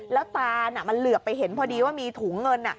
แล้วตานมันเหลือไปเห็นพอดีว่ามีถุงเงิน